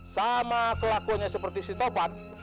sama kelakuan nya seperti si topat